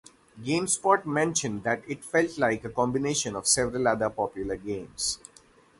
GameSpot mentioned that it felt like a combination of several other popular games.